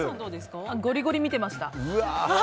ゴリゴリ見ていました。